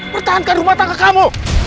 pertahankan rumah tangga kamu